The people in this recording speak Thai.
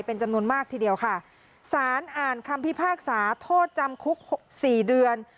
เป็นจำนวนมากทีเดียวค่ะสารอ่านคำพิพากษาโทษจำคุกสี่เดือน